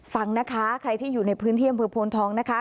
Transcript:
ฟังนะคะใครที่อยู่ในพื้นที่อำเภอโพนทองนะคะ